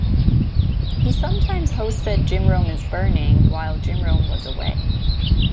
He sometimes hosted "Jim Rome Is Burning" while Jim Rome was away.